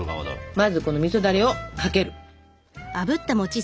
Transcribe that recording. まずこのみそだれをかける！